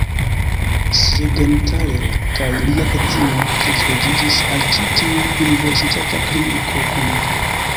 Siegenthaler kaj lia edzino transloĝiĝis al ĉi tiu universitata kliniko kun li.